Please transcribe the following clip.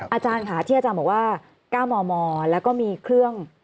อาจารย์ค่ะที่อาจารย์บอกว่า๙มมแล้วก็มีเครื่อง